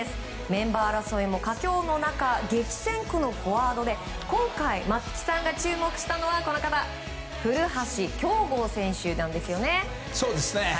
メンバー争いも佳境の中激戦区のフォワードで今回、松木さんが注目したのは古橋亨梧選手です。